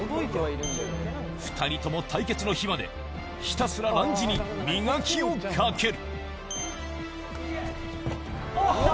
２人とも対決の日まで、ひたすらランジに磨きをかける。